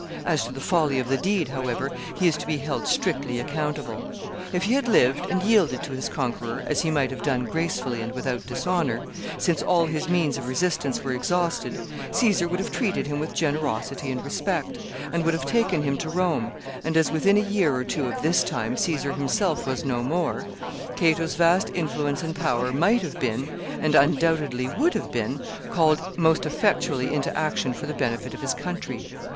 As to the folly of the deed, however, he is to be held strictly accountable. If he had lived and yielded to his conqueror, as he might have done gracefully and without dishonor, since all his means of resistance were exhausted, Caesar would have treated him with generosity and respect, and would have taken him to Rome; and as within a year or two of this time Caesar himself was no more, Cato's vast influence and power might have been, and un doubtedly would have been, called most effectually into action for the benefit of his country.